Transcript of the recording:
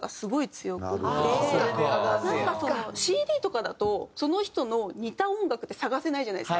ＣＤとかだとその人の似た音楽って探せないじゃないですか。